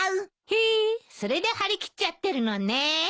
へえそれで張り切っちゃってるのね。